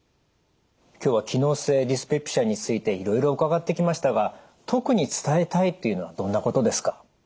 今日は機能性ディスペプシアについていろいろ伺ってきましたが特に伝えたいというのはどんなことですか？